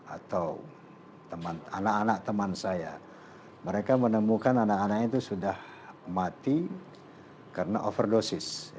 atau anak anak teman saya mereka menemukan anak anak itu sudah mati karena overdosis